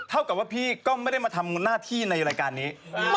เท่ากับว่าพี่ก็ไม่ได้มาทำหน้าที่ในรายการนี้